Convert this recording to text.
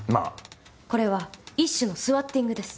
これは一種のスワッティングです。